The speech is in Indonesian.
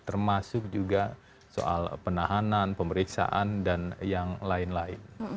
termasuk juga soal penahanan pemeriksaan dan yang lain lain